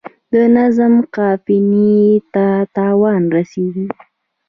د نظم قافیې ته تاوان رسیږي.